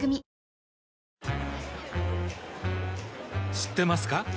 知ってますか？